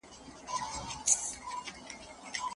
افغان سوداګر د مدني اعتراضونو قانوني اجازه نه لري.